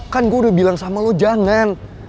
kan gue udah bilang sama lo jangan